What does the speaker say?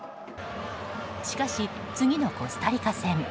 しかし、次のコスタリカ戦。